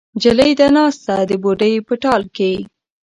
نجلۍ ده ناسته د بوډۍ په ټال کې